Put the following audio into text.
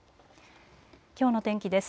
きょうの天気です。